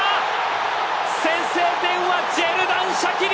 先制点はジェルダン・シャキリ。